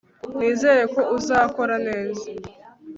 nizere ko uzakora neza